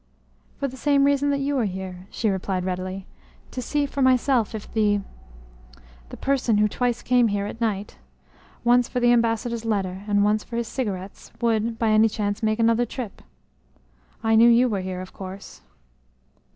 "For the same reason that you are here," she replied readily, "to see for myself if the the person who twice came here at night once for the ambassador's letters and once for his cigarettes would, by any chance, make another trip. I knew you were here, of course."